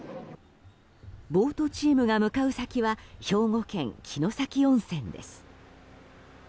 ボートチームが向かう先は兵庫県、城崎温泉です。